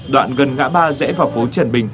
đoạn gần ngã ba dẽ vào phố trần bình